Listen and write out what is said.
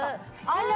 あら。